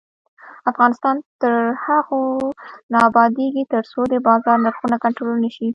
افغانستان تر هغو نه ابادیږي، ترڅو د بازار نرخونه کنټرول نشي.